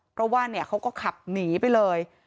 เพราะว่าเขาก็ขับหนีไปเลย